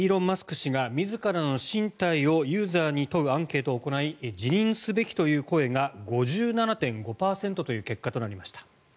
氏が自らの進退をユーザーに問うアンケートを行い辞任すべきという声が５７．５％という結果となりました。